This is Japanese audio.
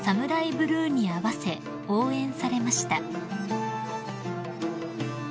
ブルーに合わせ応援されました］